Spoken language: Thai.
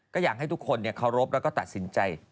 ก็อยากให้ทุกคนเคารพแล้วก็ตัดสินใจ